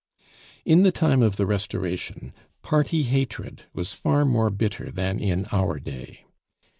In the time of the Restoration party hatred was far more bitter than in our day.